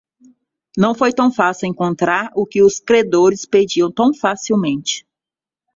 Não foi tão fácil encontrar o que os credores pediam tão facilmente.